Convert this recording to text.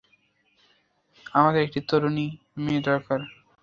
আমাদের একটা তরুণী মেয়ে দরকার।